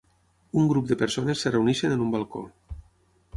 Un grup de persones es reuneixen en un balcó.